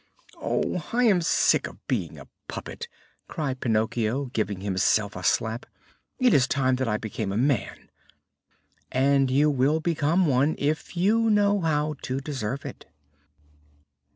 "Oh, I am sick of being a puppet!" cried Pinocchio, giving himself a slap. "It is time that I became a man." "And you will become one, if you know how to deserve it."